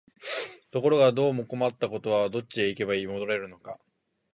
ところがどうも困ったことは、どっちへ行けば戻れるのか、